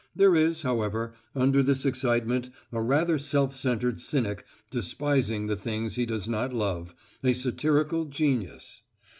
There is, however, under this excitement a rather self centred cynic despising the things he does not love, a satirical genius.